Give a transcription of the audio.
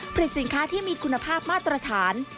ผลิตสินค้าที่มีคุณภาพมาตรฐาน